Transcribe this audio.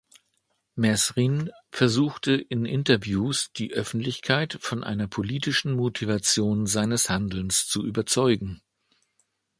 Mesrine versuchte in Interviews, die Öffentlichkeit von einer politischen Motivation seines Handelns zu überzeugen.